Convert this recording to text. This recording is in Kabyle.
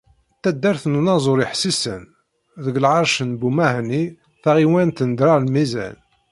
Taddart n unaẓuri Ḥsisen, deg lɛerc n Bumahni taɣiwant n Draɛ Lmizan.